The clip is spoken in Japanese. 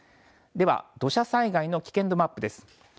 では、土砂災害の危険度マップです。